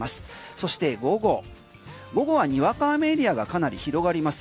そして午後はにわか雨エリアがかなり広がります。